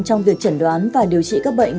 trong việc chẩn đoán và điều trị các bệnh